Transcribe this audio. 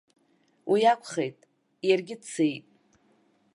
Уиакәхеит, иаргьы дцеит.